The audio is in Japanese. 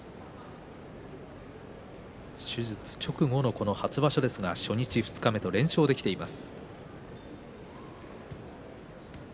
手術直後の初場所ですが初日、二日と連勝できています。